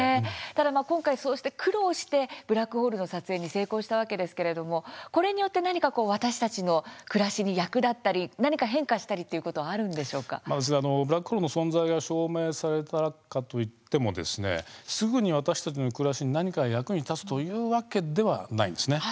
ただ今回、そうして苦労してブラックホールの撮影に成功したわけですけれどもこれによって何か私たちの暮らしに役立ったり何か変化したりブラックホールの存在が証明されたかといってもすぐに私たちの暮らしに何か役に立つというわけではないんです。